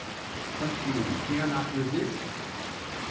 "But you dare not resist!"